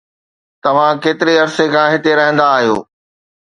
توهان ڪيتري عرصي کان هتي رهندا آهيو؟